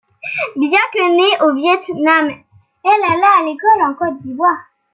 Bien que née au Viêt Nam, elle alla à l'école en Côte d'Ivoire.